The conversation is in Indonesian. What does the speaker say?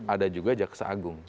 ada juga jaksa agung